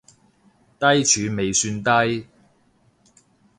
低處未算低